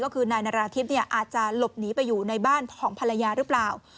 ก็คือนายนาราธิบอาจจะหลบหนีไปอยู่ในบ้านของภรรยาหรือเปล่า